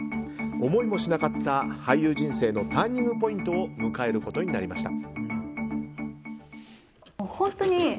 思いもしなかった俳優人生のターニングポイントを迎えることになりました。